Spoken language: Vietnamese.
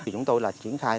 chúng tôi là triển khai